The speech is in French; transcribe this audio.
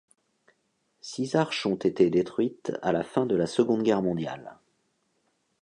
Six arches ont été détruites à la fin de la Seconde Guerre mondiale.